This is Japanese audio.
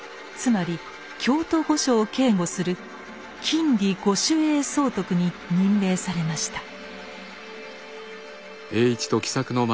つまり京都御所を警護する禁裏御守衛総督に任命されました。